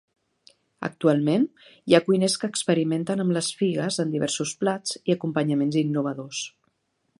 Actualment hi ha cuiners que experimenten amb les figues en diversos plats i acompanyaments innovadors.